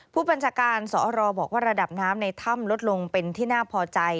ผู้บัญชาการสอรบอกว่าระดับน้ำในถ้ำลดลงเป็นที่น่าพอใจ